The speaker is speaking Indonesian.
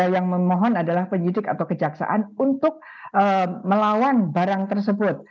yang memohon adalah penyidik atau kejaksaan untuk melawan barang tersebut